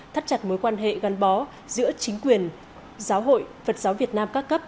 thắt chặt mối quan hệ gắn bó giữa chính quyền giáo hội phật giáo việt nam các cấp